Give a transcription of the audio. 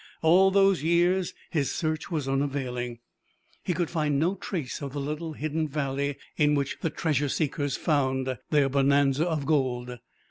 All those years his search was unavailing. He could find no trace of the little hidden valley in which the treasure seekers found their bonanza of gold.